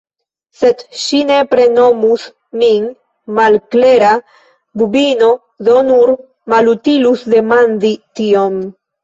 Sed ŝi nepre nomus min malklera bubino. Do, nur malutilus demandi tion!